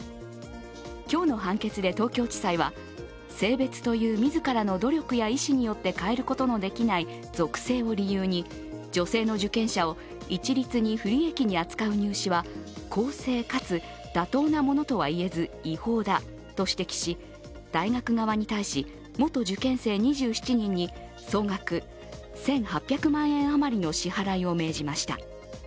今日の判決で東京地裁は性別という自らの努力や意思によって変えることのできない属性を理由に女性の受検者を一律に不利益に扱う入試は公正かつ妥当なものとは言えず、違法だと指摘し、大学側に対し、元受験生２７人に総額１８００万円余りの支払いを命じました。